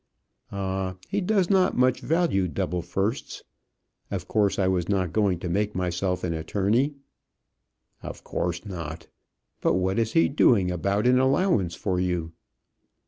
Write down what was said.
"Ah, he does not much value double firsts. Of course, I was not going to make myself an attorney." "Of course not. But what is he doing about an allowance for you?"